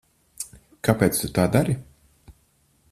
Kāpēc tu tā dari?